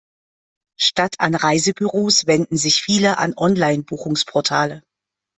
Statt an Reisebüros wenden sich viele an Online-Buchungsportale.